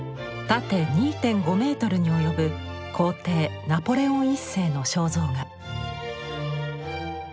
縦２．５メートルに及ぶ皇帝ナポレオン１世の肖像画。